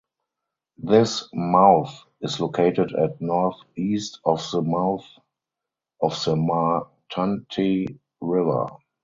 This mouth is located at northeast of the mouth of the Ma Tante River.